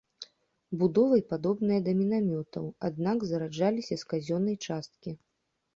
Будовай падобныя да мінамётаў, аднак зараджаліся з казённай часткі.